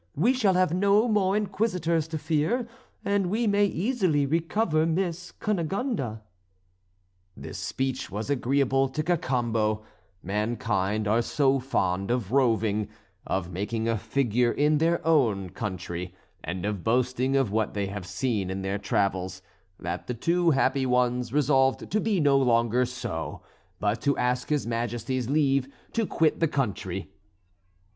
We shall have no more Inquisitors to fear, and we may easily recover Miss Cunegonde." This speech was agreeable to Cacambo; mankind are so fond of roving, of making a figure in their own country, and of boasting of what they have seen in their travels, that the two happy ones resolved to be no longer so, but to ask his Majesty's leave to quit the country.